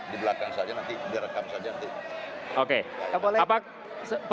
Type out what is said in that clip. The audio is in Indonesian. di belakang saja nanti direkam saja nanti